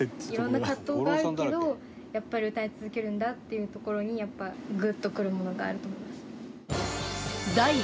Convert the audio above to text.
いろんな葛藤があるけど歌い続けるんだっていうところにやっぱ、グッとくるものがあると思います。